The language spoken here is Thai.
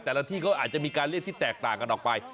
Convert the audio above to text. แต่ละที่ก็อาจจะมีการเรียกที่แตกต่างกันออกไป